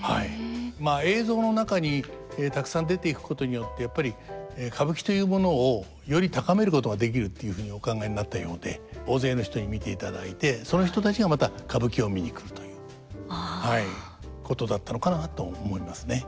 まあ映像の中にたくさん出ていくことによってやっぱり歌舞伎というものをより高めることができるっていうふうにお考えになったようで大勢の人に見ていただいてその人たちがまた歌舞伎を見に来るということだったのかなと思いますね。